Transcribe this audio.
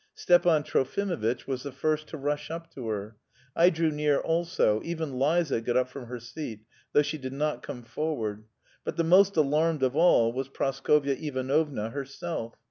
Stepan Trofimovitch was the first to rush up to her. I drew near also; even Liza got up from her seat, though she did not come forward. But the most alarmed of all was Praskovya Ivanovna herself.